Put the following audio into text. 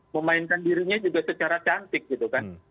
memainkan dirinya juga secara cantik gitu kan